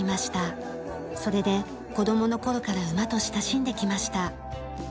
それで子どもの頃から馬と親しんできました。